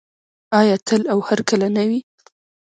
آیا تل او هرکله نه وي؟